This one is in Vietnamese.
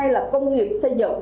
là công nghiệp xây dựng